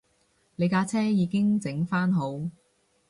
你架車已經整番好